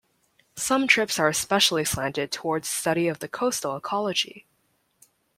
Some trips are especially slanted towards study of the coastal ecology.